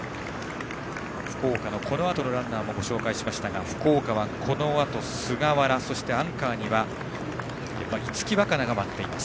福岡のこのあとのランナーもご紹介しましたが福岡はこのあと菅原そしてアンカーには逸木和香菜が待っています。